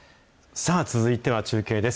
さあ、続いては中継です。